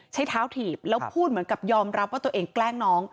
ใช้เท้าถีบแล้วพูดเหมือนกับยอมรับว่าตัวเองแกล้งน้อง